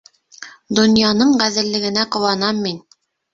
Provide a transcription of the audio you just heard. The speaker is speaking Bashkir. Донъяның ғәҙеллегенә ҡыуанам мин.